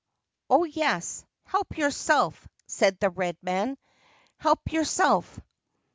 '' Oh,.yes ; help yourself,' said the red man ;* Help your self.'